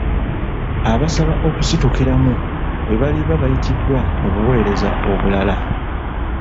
Abasaba okusitukiramu bwe baliba bayitiddwa mu buweereza obulala.